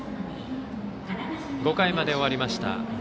５回まで終わりました。